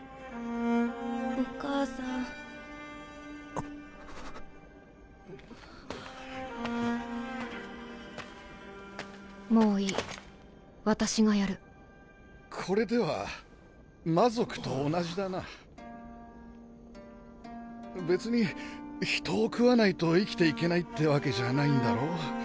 お母さんあもういい私がやるこれでは魔族と同じだな別に人を食わないと生きていけないってわけじゃないんだろう？